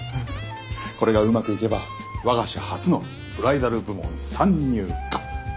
これがうまくいけば我が社初のブライダル部門参入か。